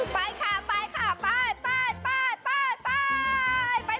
ไปค่ะไปค่ะไปไปไปไปไป